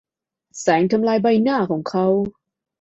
แสงทำลายใบหน้าของเขา